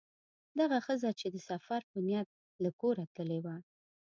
دغه ښځه یې د سفر په نیت له کوره تللې وه.